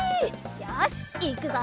よしいくぞ。